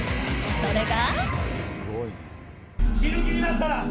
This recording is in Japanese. それが。